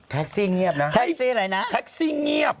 ซี่เงียบนะแท็กซี่อะไรนะแท็กซี่เงียบ